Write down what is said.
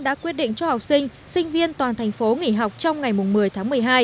đã quyết định cho học sinh sinh viên toàn thành phố nghỉ học trong ngày một mươi tháng một mươi hai